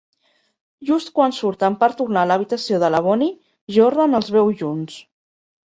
Just quan surten per tornar a l'habitació de la Bonnie, Jordan els veu junts.